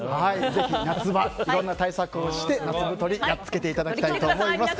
ぜひ、夏場いろんな対策をして夏太りをやっつけていただきたいと思います。